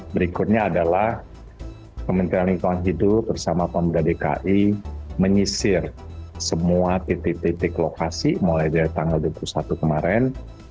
berikutnya adalah kementerian lingkungan hidup bersama pemerintah dki menyisir semua titik titik lokasi mulai dari tanggal dua puluh satu kemarin